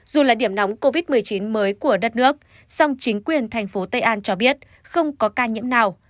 dù là điểm nóng covid một mươi chín mới của đất nước song chính quyền thành phố tây an cho biết không có ca nhiễm nào